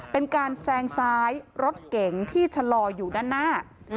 เป็นการแซงซ้ายรถเก๋งที่ชะลออยู่ด้านหน้า